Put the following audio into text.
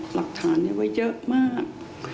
หลักฐานไว้เยอะมาก